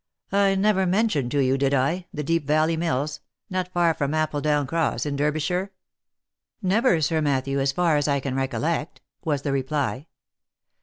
I never mentioned to you, did I, the Deep Valley Mills, not far from Appledown Cross, in Derbyshire V " Never, Sir Matthew, as far as I can recollect," was the reply.